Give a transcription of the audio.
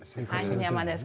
峰山です。